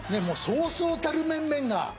そうそうたる面々が。